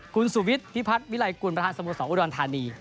คุณสุวิทย์พิพัฒน์วิลัยกุลประธานสโมสรอุดรธานี